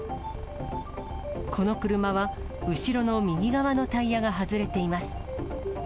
この車は、後ろの右側のタイヤが外れています。